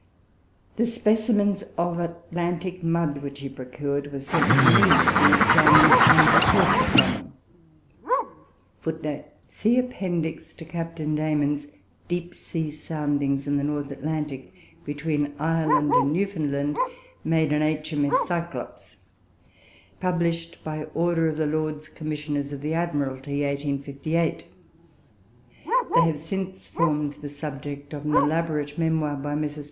The specimens or Atlantic mud which he procured were sent to me to be examined and reported upon. [Footnote 1: See Appendix to Captain Dayman's Deep sea Soundings in the North Atlantic Ocean between Ireland and Newfoundland, made in H.M.S. "Cyclops." Published by order of the Lords Commissioners of the Admiralty, 1858. They have since formed the subject of an elaborate Memoir by Messrs.